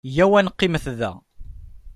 Yya-w ad neqqimet da.